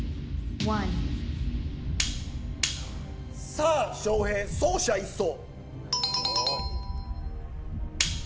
さぁ翔平走者一掃。